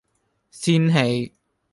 仙氣